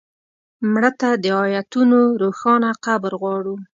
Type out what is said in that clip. مړه ته د آیتونو روښانه قبر غواړو